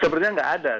sebenarnya nggak ada